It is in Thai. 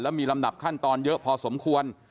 มีลำดับขั้นตอนเยอะพอสมควร